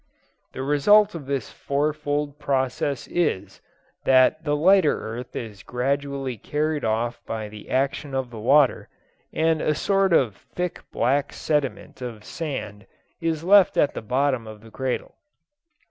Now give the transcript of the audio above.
The result of this fourfold process is, that the lighter earth is gradually carried off by the action of the water, and a sort of thick black sediment of sand is left at the bottom of the cradle.